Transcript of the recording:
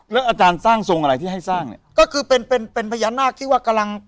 แล้วอาจารย์สร้างทรงอะไรที่ให้สร้างเนี่ยก็คือเป็นเป็นพญานาคที่ว่ากำลัง